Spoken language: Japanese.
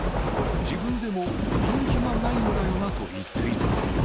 自分でも人気がないんだよなと言っていた。